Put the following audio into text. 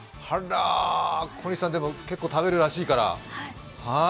小西さん、でも結構食べるらしいから。